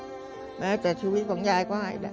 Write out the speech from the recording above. ทำงานชื่อนางหยาดฝนภูมิสุขอายุ๕๔ปี